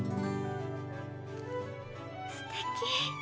すてき。